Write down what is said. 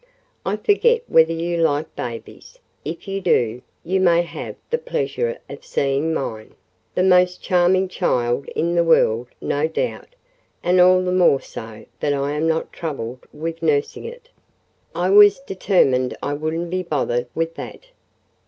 I forget whether you like babies; if you do, you may have the pleasure of seeing mine—the most charming child in the world, no doubt; and all the more so, that I am not troubled with nursing it—I was determined I wouldn't be bothered with that.